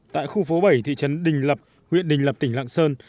tại khu phố bảy thị trấn đình lập huyện đình lập tỉnh lạng sơn